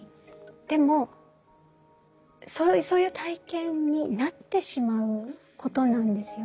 でもそういう体験になってしまうことなんですよね。